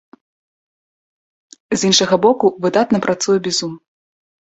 З іншага боку, выдатна працуе бізун.